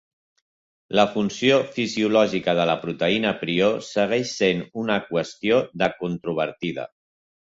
La funció fisiològica de la proteïna prió segueix sent una qüestió de controvertida.